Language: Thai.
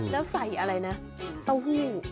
แล้วใส่อะไรนะไต้หยุ่ง